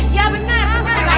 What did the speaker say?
iya benar pak rete